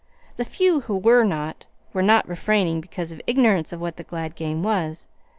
The few who were not, were not refraining because of ignorance of what the glad game was.